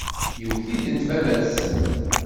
Iwet-itent baba-tsent.